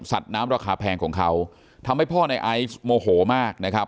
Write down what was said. น้ำราคาแพงของเขาทำให้พ่อในไอซ์โมโหมากนะครับ